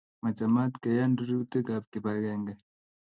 Machamat keyan rerutik ab kibagenge